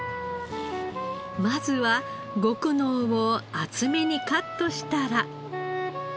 まずは極濃を厚めにカットしたら。